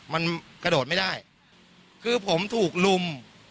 มันกระโดดไม่ได้คือผมถูกลุม